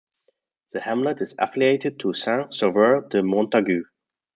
The hamlet is affiliated to Saint-Sauveur-de-Montagut.